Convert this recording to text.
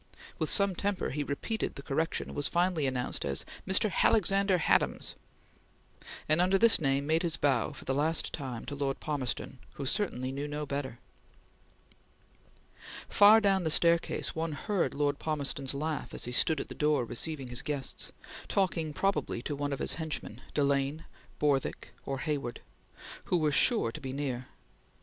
With some temper he repeated the correction, and was finally announced as "Mr. Halexander Hadams," and under this name made his bow for the last time to Lord Palmerston who certainly knew no better. Far down the staircase one heard Lord Palmerston's laugh as he stood at the door receiving his guests, talking probably to one of his henchmen, Delane, Borthwick, or Hayward, who were sure to be near.